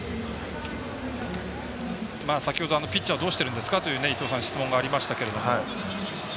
先ほどピッチャーはどうしてるんですか？という質問がありましたが。